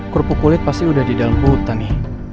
kurpu kulit pasti udah di dalem kota nih